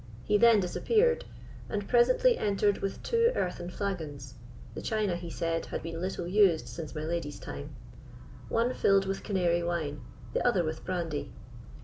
He then disappeared, and presently entered with two earthen flagons (the china, he said, had been little used since my lady's time), one filled with canary wine, the other with brandy.